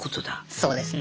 そうですね。